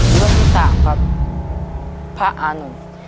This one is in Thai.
เลือกที่สามครับพระอานุม